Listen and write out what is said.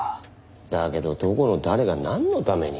だけどどこの誰がなんのために？